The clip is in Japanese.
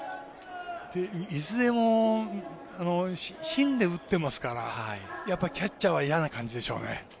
いずれも芯で打ってますからやっぱり、キャッチャーは嫌な感じでしょうね。